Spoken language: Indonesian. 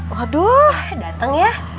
waduh dateng ya